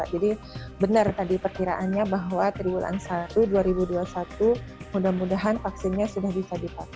jadi benar tadi perkiraannya bahwa tiga bulan satu dua ribu dua puluh satu mudah mudahan vaksinnya sudah bisa dipakai